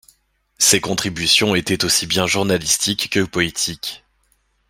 Ses contributions étaient aussi bien journalistiques que poétiques.